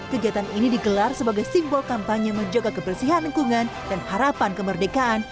kegiatan ini digelar sebagai simbol kampanye menjaga kebersihan lingkungan dan harapan kemerdekaan